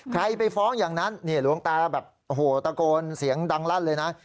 ไปฟ้องอย่างนั้นหลวงตาแบบโอ้โหตะโกนเสียงดังลั่นเลยนะ